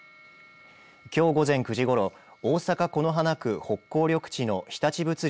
きょう午前９時ごろ大阪、此花区北港緑地の日立物流